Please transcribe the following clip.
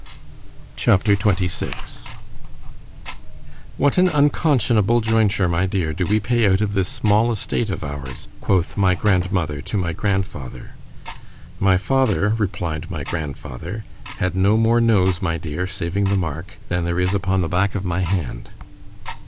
C H A P. XXVI ——WHAT an unconscionable jointure, my dear, do we pay out of this small estate of ours, quoth my grandmother to my grandfather. My father, replied my grandfather, had no more nose, my dear, saving the mark, than there is upon the back of my hand.